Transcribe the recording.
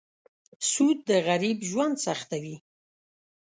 سود د غریب ژوند سختوي.